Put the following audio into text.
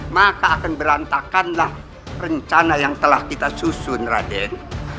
maka akan berantakanlah rencana yang telah kita susun raden